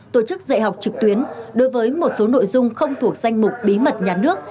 tổ chức dạy học trực tuyến đối với một số nội dung không thuộc danh mục bí mật nhà nước